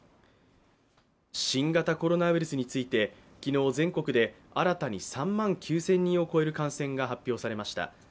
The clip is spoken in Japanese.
新型コロナウイルスについて、昨日全国で新たに３万９０００人を超える感染が発表されました。